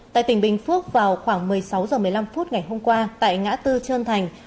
tại tỉnh bình phước vào khoảng một mươi sáu h một mươi năm phút ngày hôm qua tại ngã tư trân thành